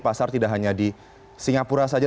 pasar tidak hanya di singapura saja